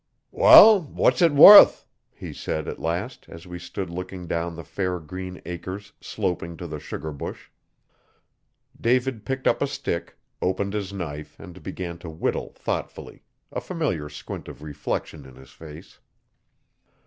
'Wall! what's it wuth?' he said, at last, as we stood looking down the fair green acres sloping to the sugar bush. David picked up a stick, opened his knife, and began to whittle thoughtfully, a familiar squint of reflection in his face.